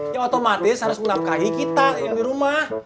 ya otomatis harus melangkahi kita yang di rumah